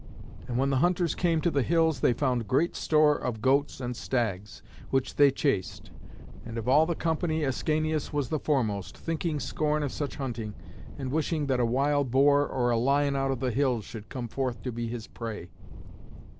And when the hunters came to the hills they found great store of goats and stags, which they chased. And of all the company Ascanius was the foremost, thinking scorn of such hunting, and wishing that a wild boar or a lion out of the hills should come forth to be his prey.